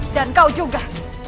dan kau juga